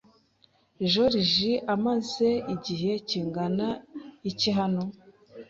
Joriji amaze igihe kingana iki hano?